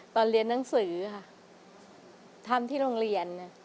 ตอนเรียนหนังสือค่ะทำที่โรงเรียน